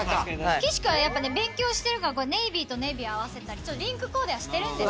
岸君は勉強してるからネイビーとネイビー合わせたりリンクコーデはしてるんです。